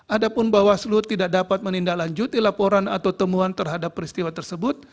adapun bahwa seluruh tidak dapat menindal anjuti laporan atau temuan terhadap peristiwa tersebut